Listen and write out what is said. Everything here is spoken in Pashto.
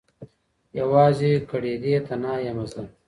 يوازي کړيدي تنها يمه زه